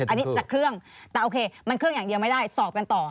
อันนี้จากเครื่องแต่โอเคมันเครื่องอย่างเดียวไม่ได้สอบกันต่อ